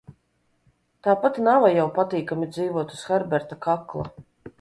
Tāpat nava jau patīkami dzīvot uz Herberta kakla.